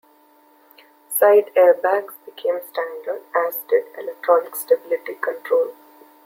Side airbags became standard, as did electronic stability control.